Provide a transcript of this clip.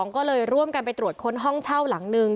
ก็เลยร่วมกันไปตรวจค้นห้องเช่าหลังนึง